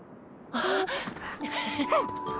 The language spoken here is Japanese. あっ。